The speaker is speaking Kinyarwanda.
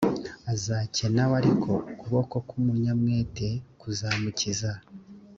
azakena w ariko ukuboko k umunyamwete kuzamukiza